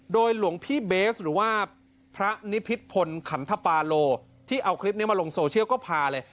โดยหลวงพี่เบสหรือว่าพระนิพิษพลขันทปาโลที่เอาคลิปนี้มาลงโซเชียลก็พาเลย